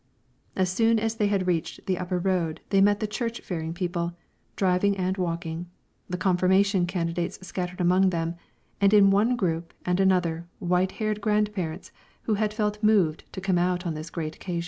As soon as they had reached the upper road they met the church faring people, driving and walking, the confirmation candidates scattered among them, and in one group and another white haired grand parents, who had felt moved to come out on this great occasion.